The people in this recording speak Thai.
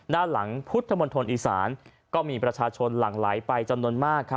ด้านหลังพุทธมณฑลอีสานก็มีประชาชนหลั่งไหลไปจำนวนมาก